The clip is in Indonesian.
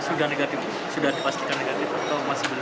sudah negatif sudah dipastikan negatif